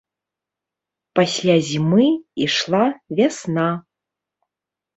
Пасля зімы ішла вясна.